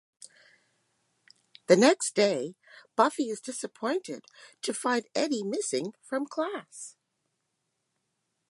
The next day, Buffy is disappointed to find Eddie missing from class.